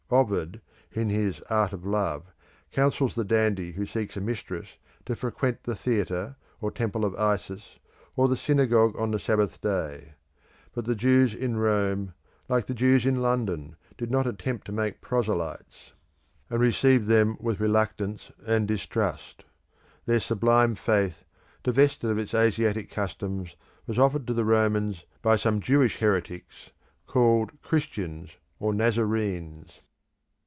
Ovid, in his "Art of Love," counsels the dandy who seeks a mistress to frequent the theatre, or Temple of Isis, or the synagogue on the Sabbath day. But the Jews in Rome, like the Jews in London, did not attempt to make proselytes, and received them with reluctance and distrust. Their sublime faith, divested of its Asiatic customs, was offered to the Romans some Jewish heretics called Christians or Nazarenes.